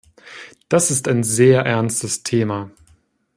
Das ist ein sehr ernstes Thema.